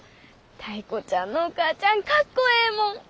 タイ子ちゃんのお母ちゃんかっこええもん。